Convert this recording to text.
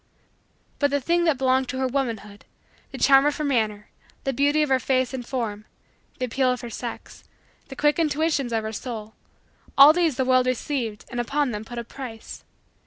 But the things that belonged to her womanhood the charm of her manner; the beauty of her face and form; the appeal of her sex; the quick intuitions of her soul all these this world received and upon them put a price.